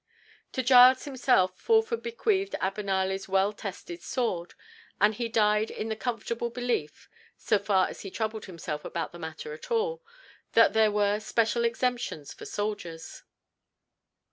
To Giles himself Fulford bequeathed Abenali's well tested sword, and he died in the comfortable belief—so far as he troubled himself about the matter at all—that there were special exemptions for soldiers.